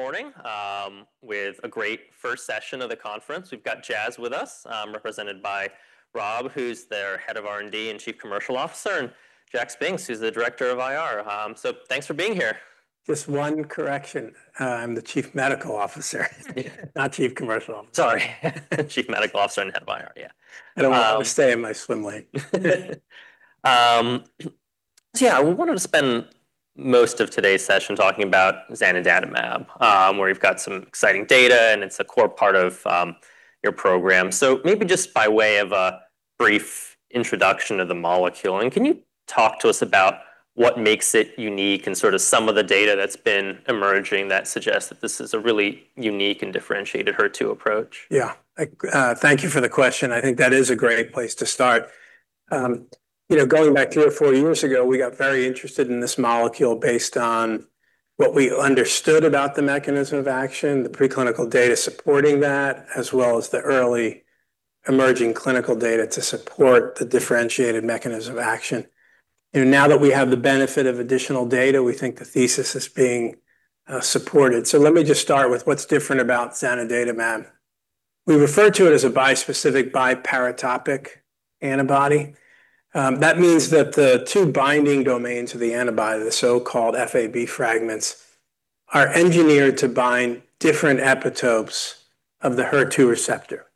Morning, with a great first session of the conference. We've got Jazz with us, represented by Rob, who's their Head of R&D and Chief Commercial Officer, and Jack Spinks, who's the Director of IR. Thanks for being here. Just one correction. I'm the Chief Medical Officer. Yeah. Not chief commercial officer. Sorry. Chief Medical Officer and head of IR, yeah. I don't know why I would stay in my swim lane. Yeah, we wanted to spend most of today's session talking about zanidatamab, where you've got some exciting data, and it's a core part of your program. Maybe just by way of a brief introduction of the molecule, and can you talk to us about what makes it unique and sort of some of the data that's been emerging that suggests that this is a really unique and differentiated HER2 approach? I thank you for the question. I think that is a great place to start. You know, going back three or four years ago, we got very interested in this molecule based on what we understood about the mechanism of action, the preclinical data supporting that, as well as the early emerging clinical data to support the differentiated mechanism of action. Now that we have the benefit of additional data, we think the thesis is being supported. Let me just start with what's different about zanidatamab. We refer to it as a bispecific biparotopic antibody. That means that the two binding domains of the antibody, the so-called Fab fragments, are engineered to bind different epitopes of the HER2 receptor,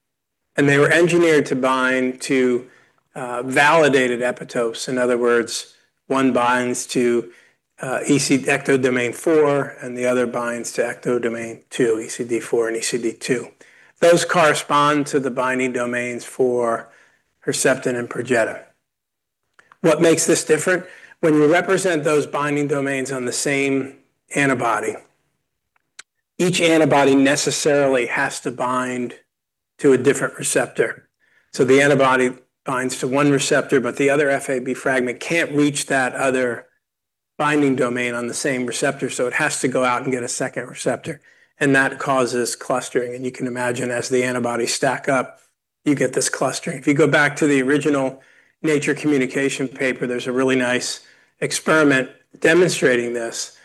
and they were engineered to bind to validated epitopes. In other words, one binds to ectodomain IV, and the other binds to ectodomain II, ECD2 and ECD2. Those correspond to the binding domains for Herceptin and Perjeta. What makes this different? When you represent those binding domains on the same antibody, each antibody necessarily has to bind to a different receptor. The antibody binds to one receptor, the other Fab fragment can't reach that other binding domain on the same receptor, it has to go out and get a second receptor, that causes clustering, you can imagine as the antibodies stack up, you get this clustering. If you go back to the original Nature Communications paper, there's a really nice experiment demonstrating this,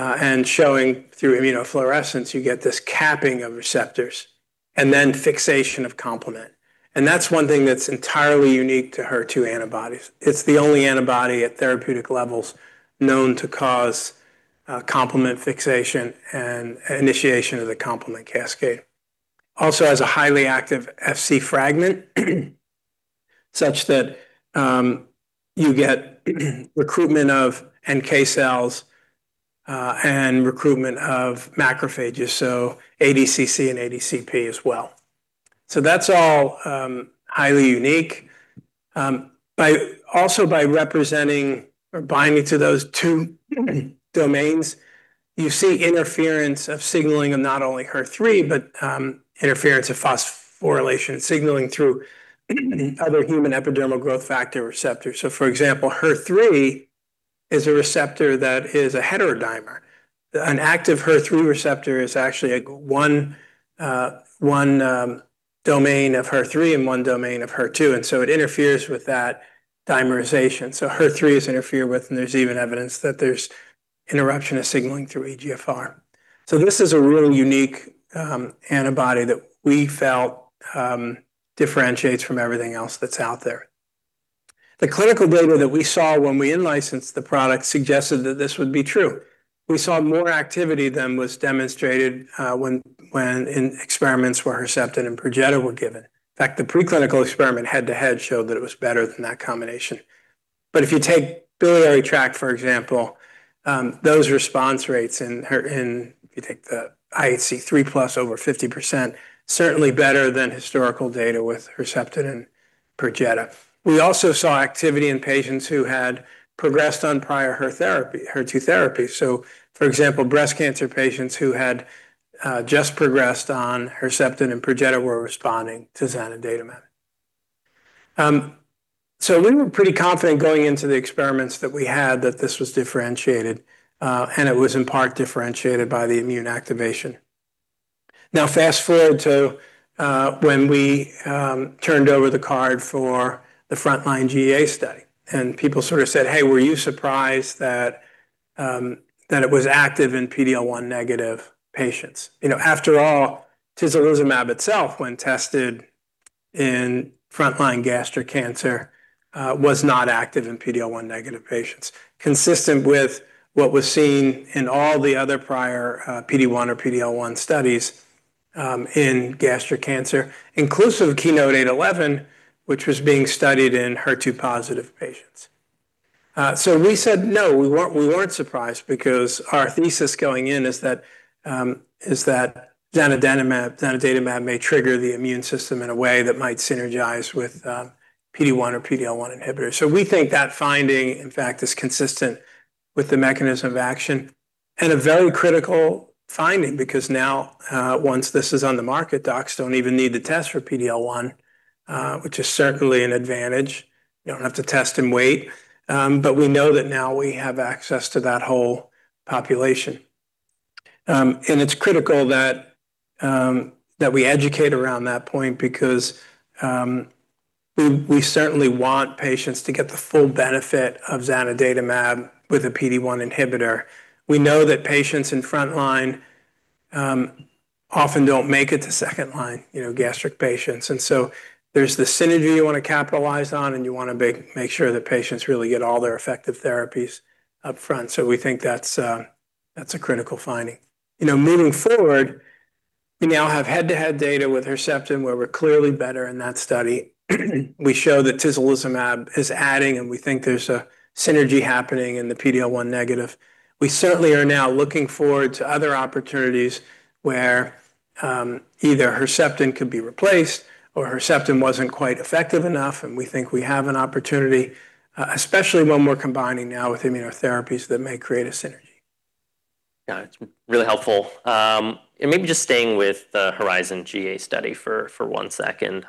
showing through immunofluorescence, you get this capping of receptors and then fixation of complement, that's one thing that's entirely unique to HER2 antibodies. It's the only antibody at therapeutic levels known to cause complement fixation and initiation of the complement cascade. Also has a highly active Fc fragment, such that you get recruitment of NK cells and recruitment of macrophages, so ADCC and ADCP as well. That's all highly unique. Also by representing or binding to those two domains, you see interference of signaling of not only HER3, but interference of phosphorylation, signaling through other human epidermal growth factor receptors. For example, HER3 is a receptor that is a heterodimer. An active HER3 receptor is actually a one domain of HER3 and one domain of HER2, and it interferes with that dimerization. HER3 is interfered with, and there's even evidence that there's interruption of signaling through EGFR. This is a really unique antibody that we felt differentiates from everything else that's out there. The clinical data that we saw when we in-licensed the product suggested that this would be true. We saw more activity than was demonstrated when in experiments where Herceptin and Perjeta were given. In fact, the preclinical experiment head-to-head showed that it was better than that combination. If you take biliary tract, for example, those response rates in if you take the IHC 3+ over 50%, certainly better than historical data with Herceptin and Perjeta. We also saw activity in patients who had progressed on prior HER2 therapy. For example, breast cancer patients who had just progressed on Herceptin and Perjeta were responding to zanidatamab. We were pretty confident going into the experiments that we had that this was differentiated, and it was in part differentiated by the immune activation. Fast-forward to when we turned over the card for the frontline GEA study, and people sort of said, "Hey, were you surprised that it was active in PD-L1 negative patients?" You know, after all, tislelizumab itself, when tested in frontline gastric cancer, was not active in PD-L1 negative patients, consistent with what was seen in all the other prior PD-1 or PD-L1 studies in gastric cancer, inclusive of KEYNOTE-811, which was being studied in HER2 positive patients. We said, "No, we weren't surprised because our thesis going in is that zanidatamab may trigger the immune system in a way that might synergize with PD-1 or PD-L1 inhibitors." We think that finding, in fact, is consistent with the mechanism of action and a very critical finding because now, once this is on the market, docs don't even need to test for PD-L1, which is certainly an advantage. You don't have to test and wait. We know that now we have access to that whole population. It's critical that we educate around that point because we certainly want patients to get the full benefit of zanidatamab with a PD-1 inhibitor. We know that patients in front line often don't make it to second line, you know, gastric patients. There's the synergy you wanna capitalize on, and you wanna make sure that patients really get all their effective therapies up front. We think that's a critical finding. You know, moving forward, we now have head-to-head data with Herceptin where we're clearly better in that study. We show that tislelizumab is adding, and we think there's a synergy happening in the PD-L1 negative. We certainly are now looking forward to other opportunities where either Herceptin could be replaced or Herceptin wasn't quite effective enough, and we think we have an opportunity, especially when we're combining now with immunotherapies that may create a synergy. Yeah. It's really helpful. Maybe just staying with the HERIZON-GEA-01 study for one second.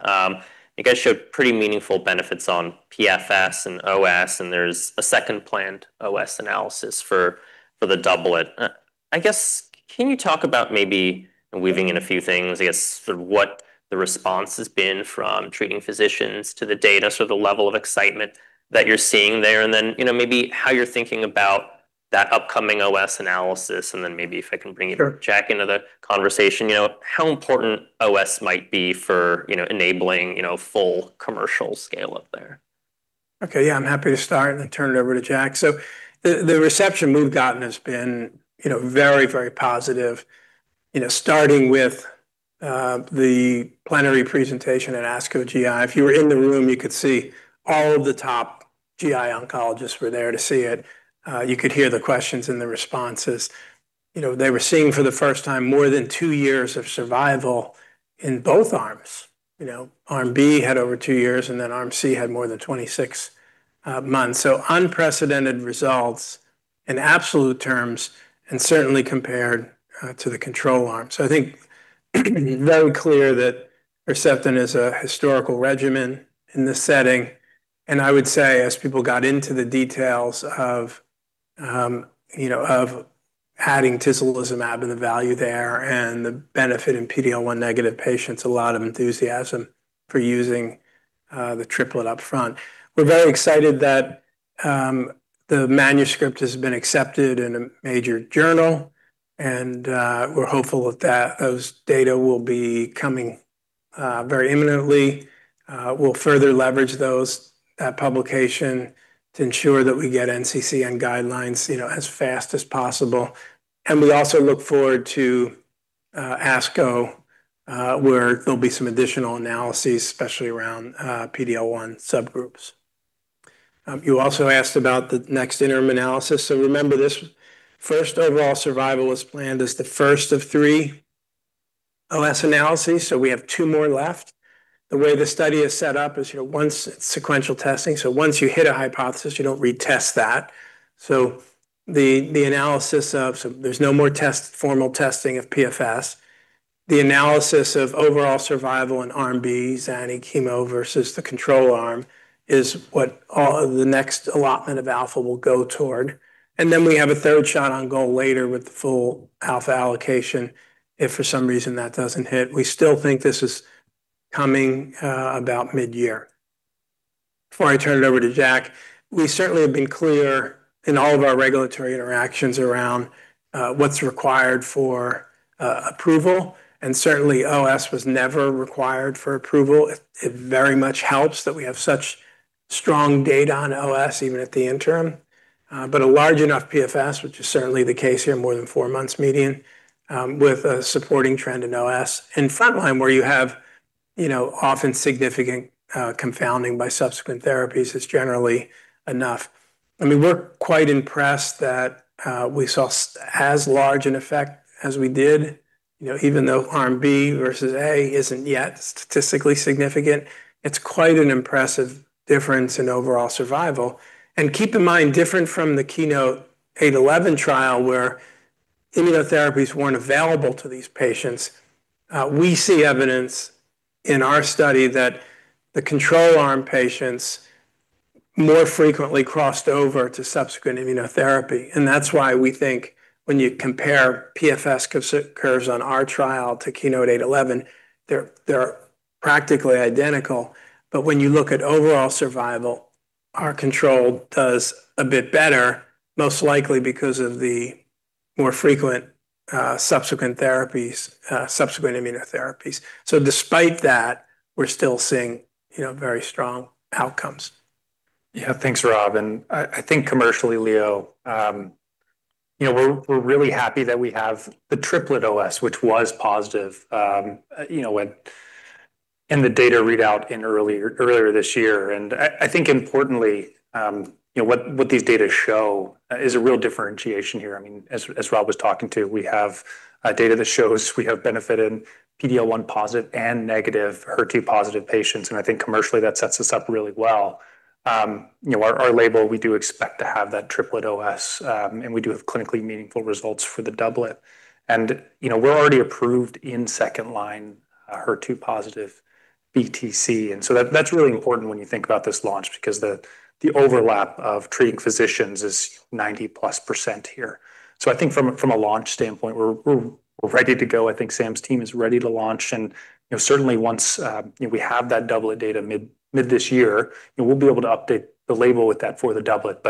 You guys showed pretty meaningful benefits on PFS and OS, and there's a second planned OS analysis for the doublet. Can you talk about maybe weaving in a few things, sort of what the response has been from treating physicians to the data, so the level of excitement that you're seeing there, and then, maybe how you're thinking about that upcoming OS analysis? Sure Jack into the conversation, you know, how important OS might be for, you know, enabling, you know, full commercial scale up there? Okay. Yeah, I'm happy to start and then turn it over to Jack. The reception we've gotten has been, you know, very, very positive, you know, starting with the plenary presentation at ASCO GI. If you were in the room, you could see all of the top GI oncologists were there to see it. You could hear the questions and the responses. You know, they were seeing for the first time more than two years of survival in both arms. You know, arm B had over two years, and then arm C had more than 26 months. Unprecedented results in absolute terms and certainly compared to the control arm. I think very clear that Herceptin is a historical regimen in this setting. I would say as people got into the details of, you know, of adding tislelizumab and the value there and the benefit in PD-L1 negative patients, a lot of enthusiasm for using the triplet up front. We're very excited that the manuscript has been accepted in a major journal, and we're hopeful that those data will be coming very imminently. We'll further leverage those, that publication to ensure that we get NCCN guidelines, you know, as fast as possible. We also look forward to ASCO, where there'll be some additional analyses, especially around PD-L1 subgroups. You also asked about the next interim analysis. Remember, this first overall survival was planned as the first of three OS analyses. We have two more left. The way the study is set up is, you know, once it's sequential testing. Once you hit a hypothesis, you don't retest that. Formal testing of PFS, the analysis of overall survival in arm B, zani chemo versus the control arm, is what all the next allotment of alpha will go toward. We have a third shot on goal later with the full alpha allocation, if for some reason that doesn't hit. We still think this is coming about midyear. Before I turn it over to Jack, we certainly have been clear in all of our regulatory interactions around what's required for approval, and certainly OS was never required for approval. It very much helps that we have such strong data on OS, even at the interim, but a large enough PFS, which is certainly the case here, more than four months median, with a supporting trend in OS. In front line, where you have, you know, often significant confounding by subsequent therapies, it's generally enough. I mean, we're quite impressed that we saw as large an effect as we did. You know, even though arm B versus A isn't yet statistically significant, it's quite an impressive difference in overall survival. Keep in mind, different from the KEYNOTE-811 trial, where immunotherapies weren't available to these patients, we see evidence in our study that the control arm patients more frequently crossed over to subsequent immunotherapy. That's why we think when you compare PFS curves on our trial to KEYNOTE-811, they're practically identical. When you look at overall survival, our control does a bit better, most likely because of the more frequent subsequent therapies, subsequent immunotherapies. Despite that, we're still seeing, you know, very strong outcomes. Thanks, Rob. I think commercially, Leo, you know, we're really happy that we have the triplet OS, which was positive, you know, in the data readout earlier this year. I think importantly, you know, what these data show is a real differentiation here. I mean, as Rob was talking to, we have data that shows we have benefited PD-L1 positive and negative HER2 positive patients. I think commercially that sets us up really well. You know, our label, we do expect to have that triplet OS. We do have clinically meaningful results for the doublet. You know, we're already approved in second line HER2 positive BTC. That's really important when you think about this launch because the overlap of treating physicians is 90% plus here. I think from a launch standpoint, we're ready to go. I think Sam's team is ready to launch and, you know, certainly once, you know, we have that doublet data mid this year, you know, we'll be able to update the label with that for the doublet.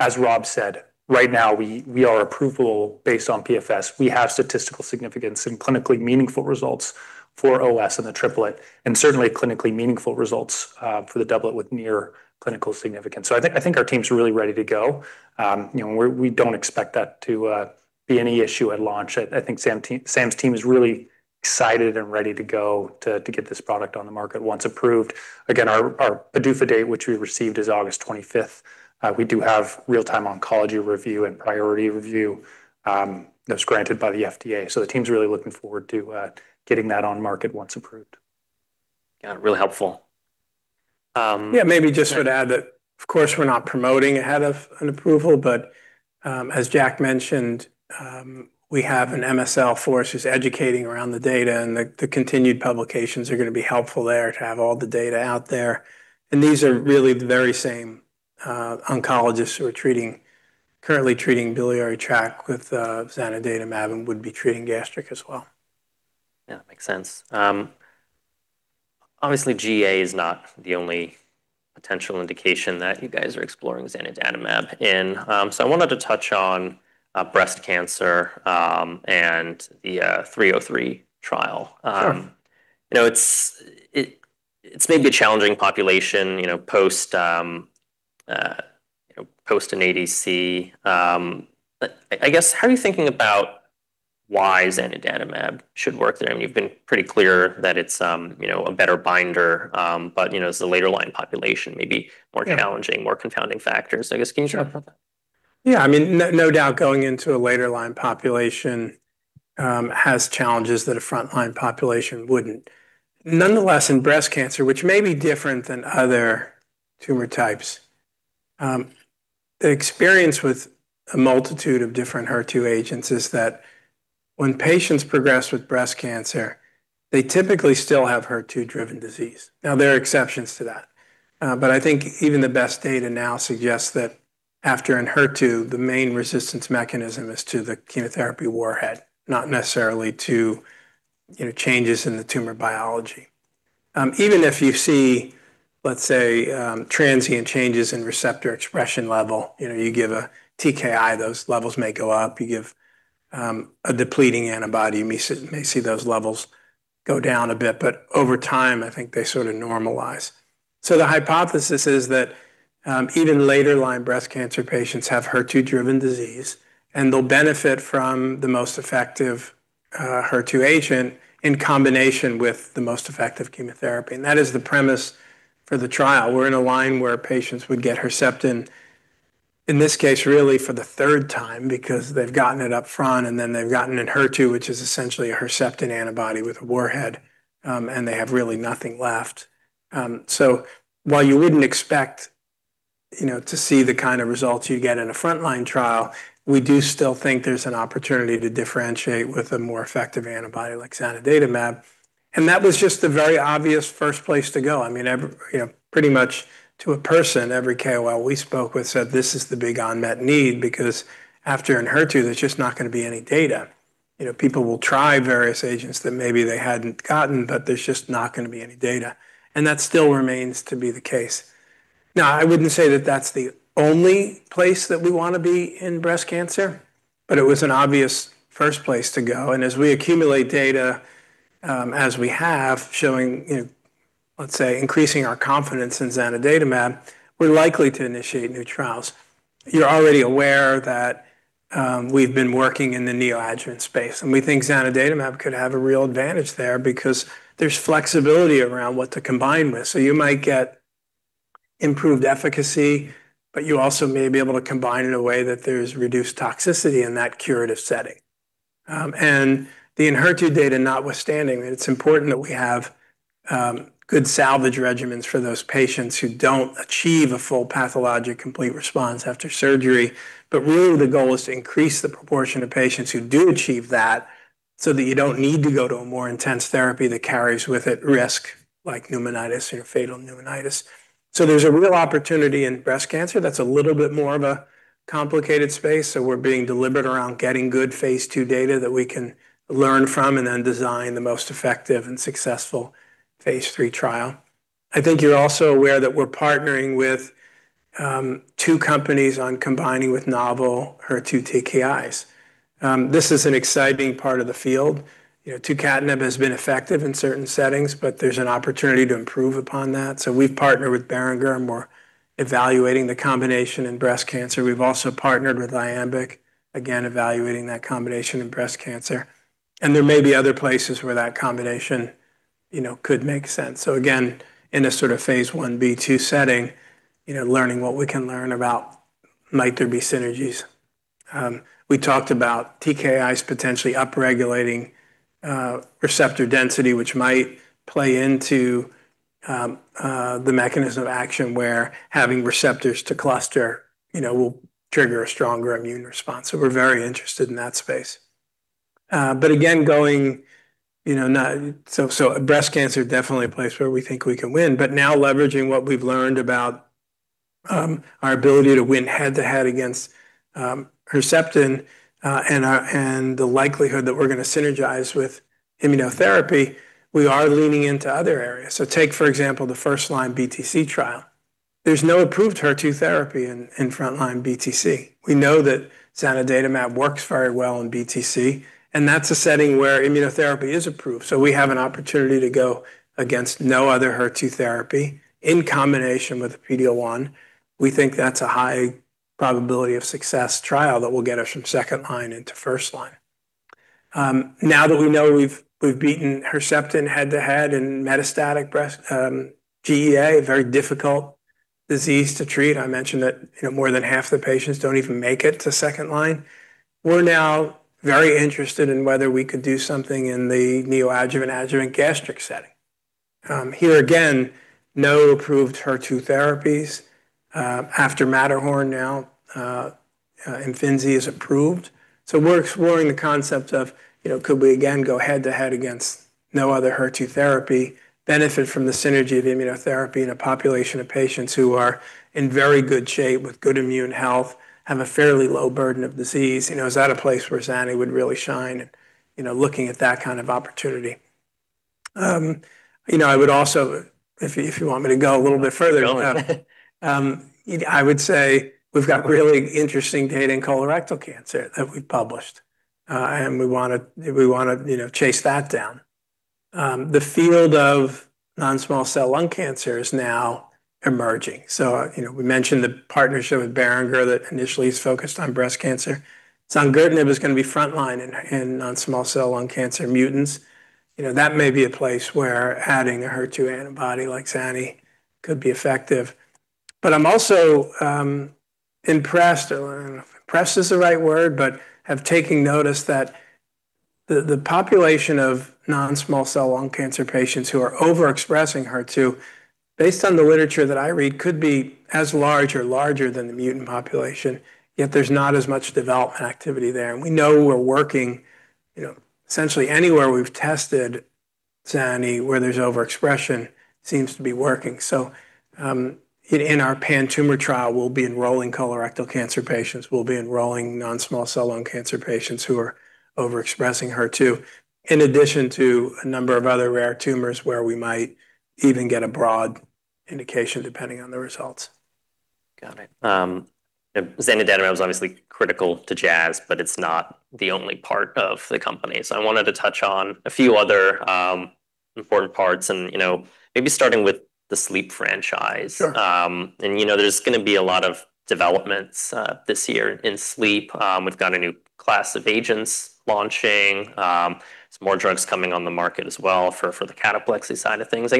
As Rob said, right now we are approval based on PFS. We have statistical significance and clinically meaningful results for OS in the triplet, and certainly clinically meaningful results for the doublet with near clinical significance. I think our team's really ready to go. You know, and we don't expect that to be any issue at launch. I think Sam's team is really excited and ready to go to get this product on the market once approved. Again, our PDUFA date, which we received, is August 25th. We do have Real-Time Oncology Review and priority review that was granted by the FDA. The team's really looking forward to getting that on market once approved. Yeah. Really helpful. Yeah. Maybe just sort of add that of course we're not promoting ahead of an approval, but, as Jack mentioned, we have an MSL force who's educating around the data, and the continued publications are gonna be helpful there to have all the data out there. These are really the very same oncologists who are currently treating biliary tract with zanidatamab and would be treating gastric as well. Yeah. Makes sense. Obviously GEA is not the only potential indication that you guys are exploring zanidatamab in. I wanted to touch on breast cancer and the 303 trial. Sure. You know, it's maybe a challenging population, you know, post, you know, post an ADC. I guess, how are you thinking about why zanidatamab should work there? I mean, you've been pretty clear that it's, you know, a better binder, but, you know, as a later line population, maybe more challenging. Yeah More confounding factors. I guess can you share more about that? Yeah. I mean, no doubt going into a later line population, has challenges that a frontline population wouldn't. Nonetheless, in breast cancer, which may be different than other tumor types, the experience with a multitude of different HER2 agents is that when patients progress with breast cancer, they typically still have HER2-driven disease. Now, there are exceptions to that. I think even the best data now suggests that after an HER2, the main resistance mechanism is to the chemotherapy warhead, not necessarily to, you know, changes in the tumor biology. Even if you see, let's say, transient changes in receptor expression level, you know, you give a TKI, those levels may go up. You give, a depleting antibody, you may see those levels go down a bit. Over time, I think they sort of normalize. The hypothesis is that even later line breast cancer patients have HER2-driven disease, and they'll benefit from the most effective HER2 agent in combination with the most effective chemotherapy, and that is the premise for the trial. We're in a line where patients would get Herceptin, in this case, really for the third time because they've gotten it up front, and then they've gotten an HER2, which is essentially a Herceptin antibody with a warhead, and they have really nothing left. While you wouldn't expect, you know, to see the kind of results you get in a frontline trial, we do still think there's an opportunity to differentiate with a more effective antibody like zanidatamab. That was just the very obvious first place to go. I mean, every, you know, pretty much to a person, every KOL we spoke with said this is the big unmet need because after an HER2, there's just not going to be any data. You know, people will try various agents that maybe they hadn't gotten, but there's just not going to be any data, and that still remains to be the case. Now, I wouldn't say that that's the only place that we want to be in breast cancer, but it was an obvious first place to go, and as we accumulate data, as we have, showing, you know, let's say, increasing our confidence in zanidatamab, we're likely to initiate new trials. You're already aware that we've been working in the neoadjuvant space, and we think zanidatamab could have a real advantage there because there's flexibility around what to combine with. You might get improved efficacy, but you also may be able to combine in a way that there's reduced toxicity in that curative setting. The inherited data notwithstanding, it's important that we have good salvage regimens for those patients who don't achieve a full pathologic complete response after surgery. Really the goal is to increase the proportion of patients who do achieve that so that you don't need to go to a more intense therapy that carries with it risk, like pneumonitis or fatal pneumonitis. There's a real opportunity in breast cancer that's a little bit more of a complicated space, so we're being deliberate around getting good phase II data that we can learn from and then design the most effective and successful phase III trial. I think you're also aware that we're partnering with two companies on combining with novel HER2 TKIs. This is an exciting part of the field. You know, tucatinib has been effective in certain settings, there's an opportunity to improve upon that. We've partnered with Boehringer, we're evaluating the combination in breast cancer. We've also partnered with Iambic, again, evaluating that combination in breast cancer. There may be other places where that combination, you know, could make sense. Again, in a sort of phase I-B/II setting, you know, learning what we can learn about might there be synergies. We talked about TKIs potentially upregulating receptor density, which might play into the mechanism of action where having receptors to cluster, you know, will trigger a stronger immune response. We're very interested in that space. Again, going, you know, breast cancer is definitely a place where we think we can win. Now leveraging what we've learned about our ability to win head-to-head against Herceptin and the likelihood that we're gonna synergize with immunotherapy, we are leaning into other areas. Take, for example, the first-line BTC trial. There's no approved HER2 therapy in frontline BTC. We know that zanidatamab works very well in BTC, and that's a setting where immunotherapy is approved. We have an opportunity to go against no other HER2 therapy in combination with PD-L1. We think that's a high probability of success trial that will get us from second line into first line. Now that we know we've beaten Herceptin head-to-head in metastatic breast, GEA, a very difficult disease to treat, I mentioned that, you know, more than half the patients don't even make it to second line. We're now very interested in whether we could do something in the neoadjuvant adjuvant gastric setting. Here again, no approved HER2 therapies, after MATTERHORN now, Imfinzi is approved. We're exploring the concept of, you know, could we again go head-to-head against no other HER2 therapy, benefit from the synergy of immunotherapy in a population of patients who are in very good shape with good immune health, have a fairly low burden of disease. You know, is that a place where zani would really shine, you know, looking at that kind of opportunity? You know, I would also if you want me to go a little bit further. Go ahead. I would say we've got really interesting data in colorectal cancer that we've published, and we wanna, you know, chase that down. You know, we mentioned the partnership with BeiGene that initially is focused on breast cancer. zongertinib is gonna be front line in non-small cell lung cancer mutants. You know, that may be a place where adding a HER2 antibody like Zani could be effective. I'm also impressed, I don't know if impressed is the right word, but have taken notice that the population of non-small cell lung cancer patients who are overexpressing HER2, based on the literature that I read, could be as large or larger than the mutant population, yet there's not as much development activity there. We know we're working, you know, essentially anywhere we've tested zani where there's overexpression seems to be working. In our pan-tumor trial, we'll be enrolling colorectal cancer patients, we'll be enrolling non-small cell lung cancer patients who are overexpressing HER2, in addition to a number of other rare tumors where we might even get a broad indication depending on the results. Got it. zanidatamab is obviously critical to Jazz, but it is not the only part of the company. I wanted to touch on a few other, important parts and, you know, maybe starting with the sleep franchise. Sure. You know, there's gonna be a lot of developments this year in sleep. We've got a new class of agents launching, some more drugs coming on the market as well for the cataplexy side of things. I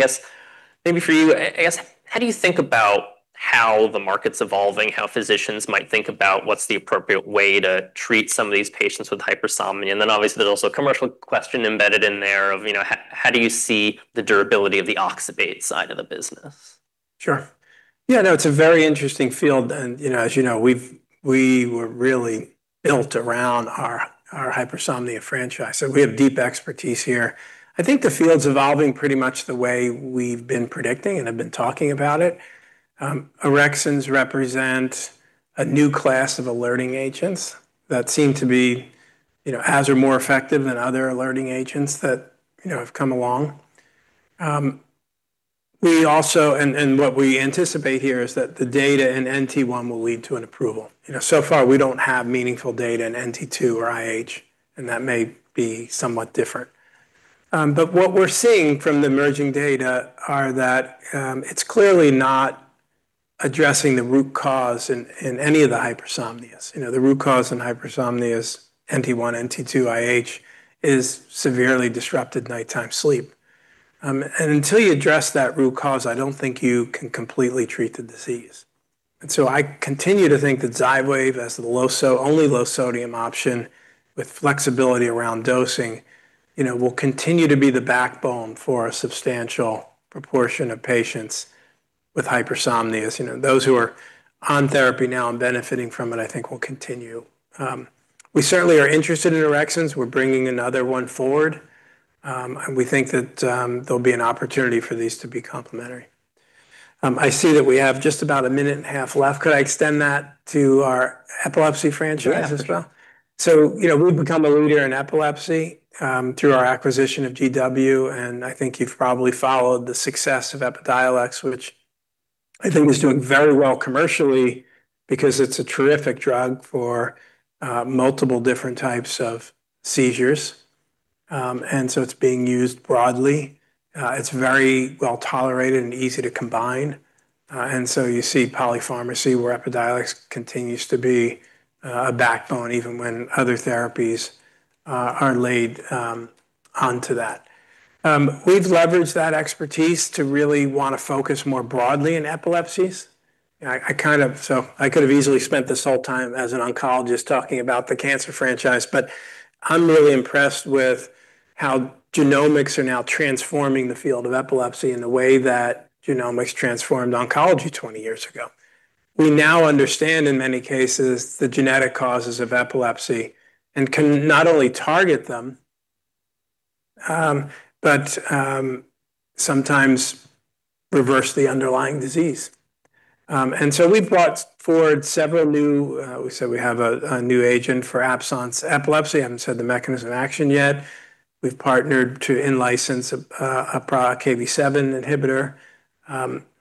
guess maybe for you, I guess, how do you think about how the market's evolving, how physicians might think about what's the appropriate way to treat some of these patients with hypersomnia? Obviously, there's also a commercial question embedded in there of, you know, how do you see the durability of the oxybate side of the business? Sure. Yeah, no, it's a very interesting field and, you know, as you know, we were really built around our hypersomnia franchise, so we have deep expertise here. I think the field's evolving pretty much the way we've been predicting, and I've been talking about it. Orexins represent a new class of alerting agents that seem to be, you know, as or more effective than other alerting agents that, you know, have come along. What we anticipate here is that the data in NT1 will lead to an approval. You know, so far we don't have meaningful data in NT2 or IH, and that may be somewhat different. What we're seeing from the emerging data are that it's clearly not addressing the root cause in any of the hypersomnias. You know, the root cause in hypersomnias, NT1, NT2, IH, is severely disrupted nighttime sleep. Until you address that root cause, I don't think you can completely treat the disease. I continue to think that Xywav as the only low sodium option with flexibility around dosing, you know, will continue to be the backbone for a substantial proportion of patients with hypersomnias. You know, those who are on therapy now and benefiting from it, I think will continue. We certainly are interested in orexins. We're bringing another one forward. We think that there'll be an opportunity for these to be complementary. I see that we have just about a minute and a half left. Could I extend that to our epilepsy franchise as well? Yeah. You know, we've become a leader in epilepsy, through our acquisition of GW, and I think you've probably followed the success of Epidiolex, which I think it's doing very well commercially because it's a terrific drug for multiple different types of seizures. It's being used broadly. It's very well-tolerated and easy to combine. You see polypharmacy where Epidiolex continues to be a backbone even when other therapies are laid onto that. We've leveraged that expertise to really wanna focus more broadly in epilepsies. I could have easily spent this whole time as an oncologist talking about the cancer franchise, but I'm really impressed with how genomics are now transforming the field of epilepsy in the way that genomics transformed oncology 20 years ago. We now understand, in many cases, the genetic causes of epilepsy and can not only target them, but sometimes reverse the underlying disease. We've brought forward several new, we said we have a new agent for absence epilepsy. I haven't said the mechanism of action yet. We've partnered to in-license a Kv7 inhibitor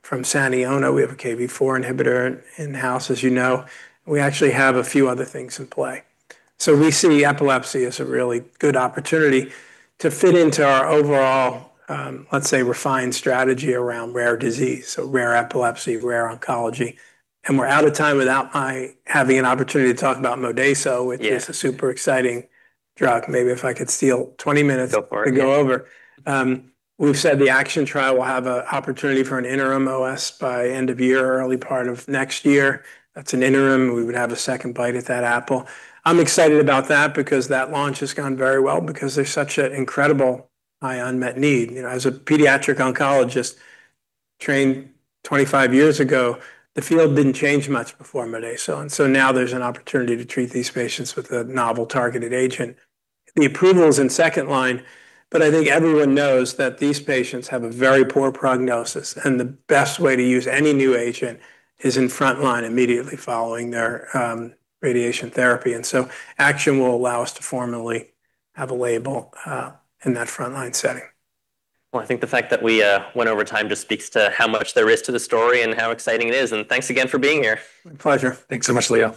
from Saniona. We have a Kv4 inhibitor in-house, as you know. We actually have a few other things in play. We see epilepsy as a really good opportunity to fit into our overall, let's say refined strategy around rare disease, rare epilepsy, rare oncology. We're out of time without my having an opportunity to talk about Modesto. Yeah which is a super exciting drug. Maybe if I could steal 20 minutes. Go for it, yeah. Go over. We've said the ACTION trial will have a opportunity for an interim OS by end of year, early part of next year. That's an interim. We would have a second bite at that apple. I'm excited about that because that launch has gone very well because there's such an incredible high unmet need. You know, as a pediatric oncologist, trained 25 years ago, the field didn't change much before Modesto. Now there's an opportunity to treat these patients with a novel targeted agent. The approval is in second line, but I think everyone knows that these patients have a very poor prognosis, and the best way to use any new agent is in front line immediately following their radiation therapy. ACTION will allow us to formally have a label in that front-line setting. I think the fact that we went over time just speaks to how much there is to the story and how exciting it is, and thanks again for being here. My pleasure. Thanks so much, Leo.